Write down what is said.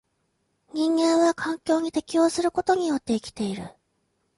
人間は環境に適応することによって生きている。